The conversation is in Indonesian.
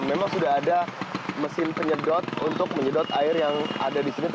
memang sudah ada mesin penyedot untuk menyedot air yang ada di sini